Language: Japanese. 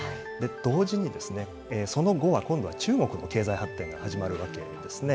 同時にですね、その後は、今度は中国の経済発展が始まるわけですね。